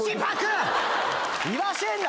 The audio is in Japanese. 言わせんな